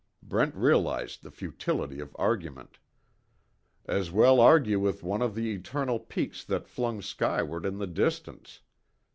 Brent realized the futility of argument. As well argue with one of the eternal peaks that flung skyward in the distance.